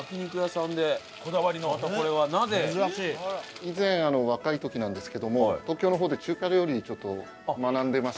以前若い時なんですけども東京の方で中華料理ちょっと学んでまして。